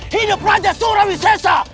hidup raja surawisisa